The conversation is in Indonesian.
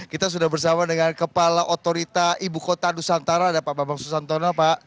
kita sudah bersama dengan kepala otorita ibu kota nusantara ada pak bambang susantono pak